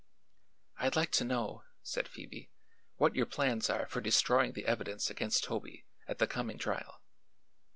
"I'd like to know," said Phoebe, "what your plans are for destroying the evidence against Toby, at the coming trial."